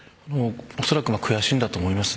おそらく悔しいんだと思います。